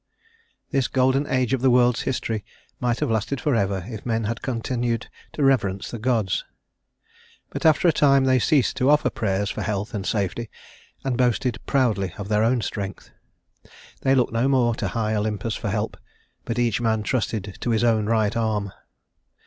This golden age of the world's history might have lasted forever if men had continued to reverence the gods; but after a time they ceased to offer prayers for health and safety, and boasted proudly of their own strength. They looked no more to high Olympus for help, but each man trusted to his own right arm.